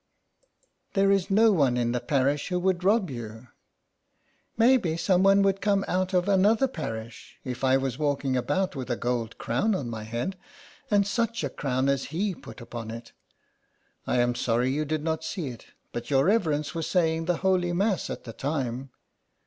'' There is no one in the parish who would rob you." " Maybe some one would come out of another parish, if I was walking about with a gold crown on my head. And such a crown as He put upon it !— I am sorry you did not see it, but your reverence was saying the holy Mass at the time."